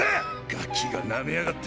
ガキがなめやがって。